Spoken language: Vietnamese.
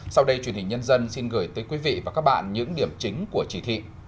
sau đây truyền hình nhân dân xin gửi tới quý vị và các bạn những điểm chính của chỉ thị